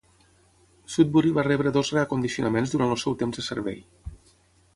"Sudbury" va rebre dos reacondicionaments durant el seu temps de servei.